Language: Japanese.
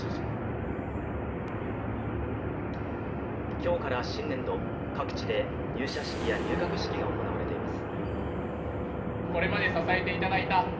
今日から新年度、各地で入社式や入学式が行われています。